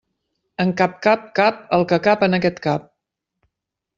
En cap cap cap el que cap en aquest cap.